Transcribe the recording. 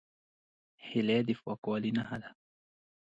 هیلۍ د پاکوالي نښه ده